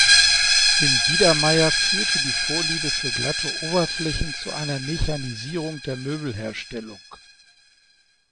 Im Biedermeier führte die Vorliebe für glatte Oberflächen zu einer Mechanisierung der Möbelherstellung.